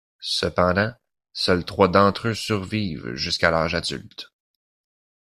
Cependant, seuls trois d'entre eux survivent jusqu'à l'âge adulte.